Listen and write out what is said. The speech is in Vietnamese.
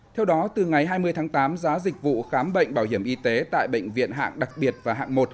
theo đó từ ngày hai mươi tháng tám giá dịch vụ khám bệnh bảo hiểm y tế tại bệnh viện hạng đặc biệt và hạng một